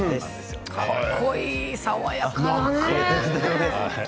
かっこいい爽やかね。